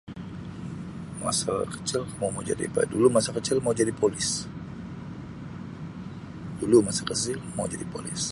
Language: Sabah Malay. Masa kecil kamu mau jadi apa dulu masa kecil mau jadi Polis dulu masa kecil mau jadi Polis.